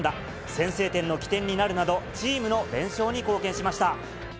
先制点の起点になるなど、チームの連勝に貢献しました。